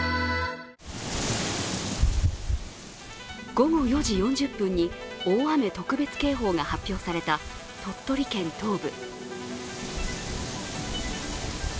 午後４時４０分に大雨特別警報が発表された鳥取県東部。